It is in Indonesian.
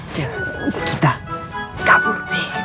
ciel kita kabur